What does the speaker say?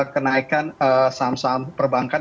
dengan saham saham perbankan